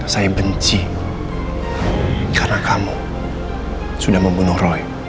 saya benci karena kamu sudah membunuh roy